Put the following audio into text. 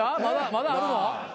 まだあるの？